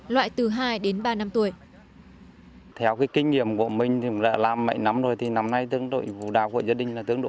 loại từ hai đến ba năm tuổi